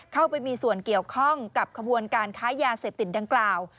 เข้าไปมีส่วนเกี่ยวข้องกับขบวนการค้ายาเสพติดดังกล่าว